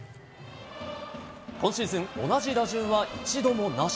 今シーズン同じ打順は一度もなし。